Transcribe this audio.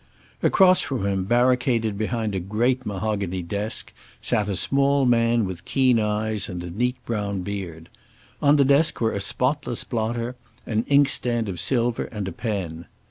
Across from him, barricaded behind a great mahogany desk, sat a small man with keen eyes and a neat brown beard. On the desk were a spotless blotter, an inkstand of silver and a pen.